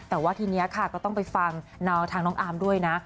แต่ว่าทีนี้ค่ะก็ต้องไปฟังทางน้องอาร์มด้วยนะ